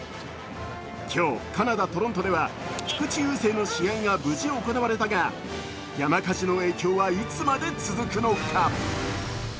今日、カナダ・トロントでは菊池雄星の試合が無事行われたが、山火事の影響はいつまで続くのか。